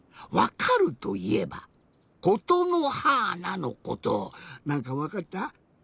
わかるといえば「ことのはーな」のことなんかわかった？